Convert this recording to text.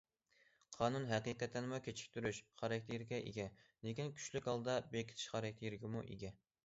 قانۇن ھەقىقەتەنمۇ كېچىكتۈرۈش خاراكتېرىگە ئىگە، لېكىن، كۈچلۈك ھالدا بېكىتىش خاراكتېرىگىمۇ ئىگە.